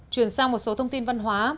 chuyển sang một số thông tin văn hóa